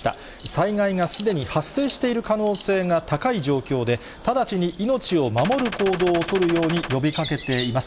災害がすでに発生している可能性が高い状況で、直ちに命を守る行動を取るように呼びかけています。